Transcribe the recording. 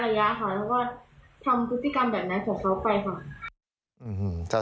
แล้วก็ทำพฤติกรรมแบบนั้นของเขาไปค่ะ